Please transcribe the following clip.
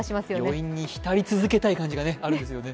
余韻に浸り続けたい気持ちがありますよね。